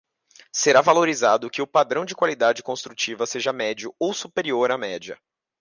Será valorizado que o padrão de qualidade construtiva seja médio ou superior à média.